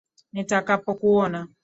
Nitakapokuona,